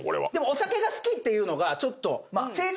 お酒が好きっていうのがちょっと。